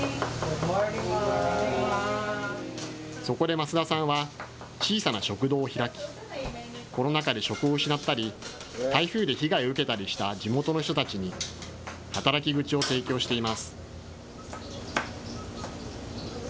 そこで増田さんは、小さな食堂を開き、コロナ禍で職を失ったり、台風で被害を受けたりした地元の人たちに働き口を提供しています。